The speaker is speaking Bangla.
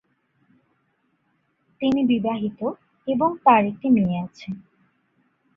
তিনি বিবাহিত এবং তার একটি মেয়ে আছে।